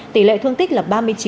tỷ lệ thương tích là ba mươi chín